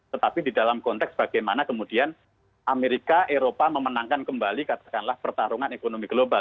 tetapi di dalam konteks bagaimana kemudian amerika eropa memenangkan kembali katakanlah pertarungan ekonomi global